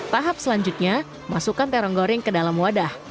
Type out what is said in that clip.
tahap selanjutnya masukkan terong goreng ke dalam wadah